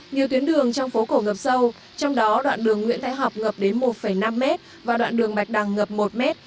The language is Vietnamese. nhiều tuyến đường trong phố cổ ngập sâu trong đó đoạn đường nguyễn thái học ngập đến một năm m và đoạn đường bạch đằng ngập một m